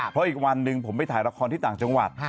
เพราะอีกวันหนึ่งผมไปถ่ายละครที่ต่างจังหวัด